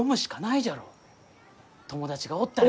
友達がおったら。